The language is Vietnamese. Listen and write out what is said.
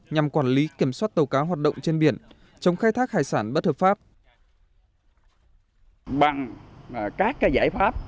nhằm quản lý kiểm soát tàu cá hoạt động trên biển chống khai thác hải sản bất hợp pháp